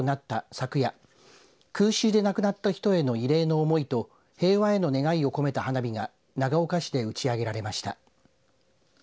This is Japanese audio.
昨夜空襲で亡くなった人への慰霊の思いと平和への願いを込めた花火が長岡市で打ち上げられました。